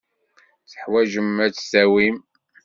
Teḥwajem ad tdawim.